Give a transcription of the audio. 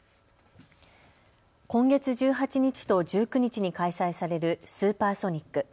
今月１８日と１９日に開催されるスーパーソニック。